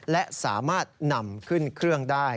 และสามารถนำขึ้นเครื่องได้